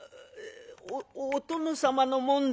「おお殿様のもんで」。